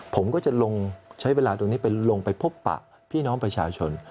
ผมก็จะลงใช้เวลาตรงนี้เป็นลงไปพบปะพี่น้องประชาชน